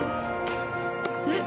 えっ？